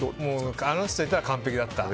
あの人いたら完璧だった。